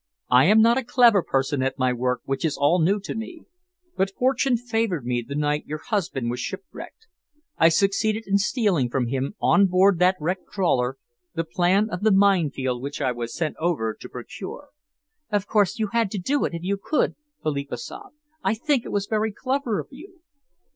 "I am not a clever person at my work which is all new to me, but fortune favoured me the night your husband was shipwrecked. I succeeded in stealing from him, on board that wrecked trawler, the plan of the mine field which I was sent over to procure." "Of course you had to do it if you could," Philippa sobbed. "I think it was very clever of you."